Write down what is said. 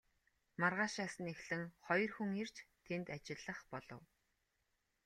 Маргаашаас нь эхлэн хоёр хүн ирж тэнд ажиллах болов.